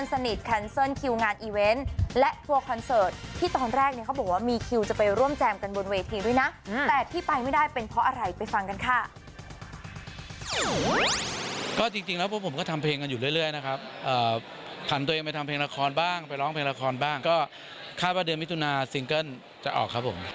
ก็จริงแล้วพวกผมก็ทำเพลงกันอยู่เรื่อยนะครับผ่านตัวเองไปทำเพลงละครบ้างไปร้องเพลงละครบ้างก็คาดว่าเดือนมิถุนาซิงเกิ้ลจะออกครับผม